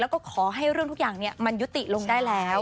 และก็ขอให้เรื่องมันยุติลงได้แล้ว